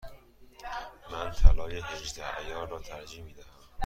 من طلای هجده عیار را ترجیح می دهم.